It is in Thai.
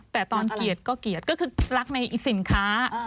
แต่ตอนเกียรติก็เกลียดก็คือรักในสินค้า